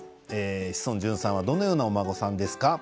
志尊淳さんはどのようなお孫さんですか？